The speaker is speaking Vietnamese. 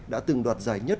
đã từng đoạt giải nhất